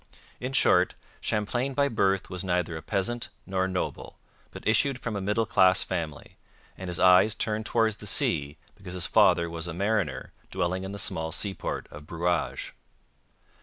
In short, Champlain by birth was neither a peasant nor a noble, but issued from a middle class family; and his eyes turned towards the sea because his father was a mariner dwelling in the small seaport of Brouage.